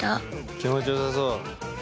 気持ちよさそう。